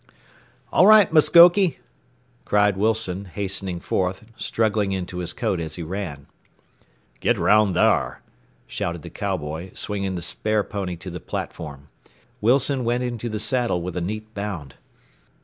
"All right, Muskoke," cried Wilson, hastening forth, struggling into his coat as he ran. "Get round thar," shouted the cowboy, swinging the spare pony to the platform. Wilson went into the saddle with a neat bound.